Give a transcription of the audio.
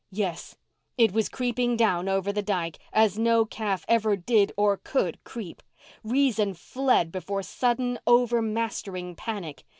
Yes, it was creeping down over the dyke, as no calf ever did or could creep. Reason fled before sudden, over mastering panic.